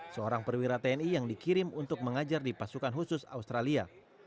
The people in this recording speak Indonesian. seorang perwira tni yang dikirim untuk mengajar di pasukan khusus australia